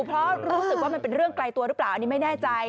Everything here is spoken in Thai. เพราะรู้สึกว่ามันเป็นเรื่องไกลตัวหรือเปล่าอันนี้ไม่แน่ใจ